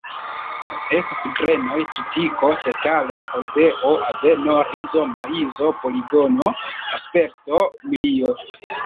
Estas grenoj: tritiko, sekalo, hordeo, aveno, rizo, maizo, poligono, spelto, milio.